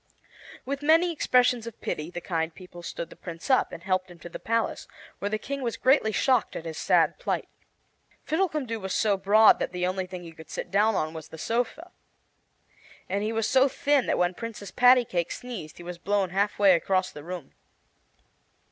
With many expressions of pity the kind people stood the Prince up and helped him to the palace, where the King was greatly shocked at his sad plight. Fiddlecumdoo was so broad that the only thing he could sit down on was the sofa, and he was so thin that when Princess Pattycake sneezed he was blown half way across the room.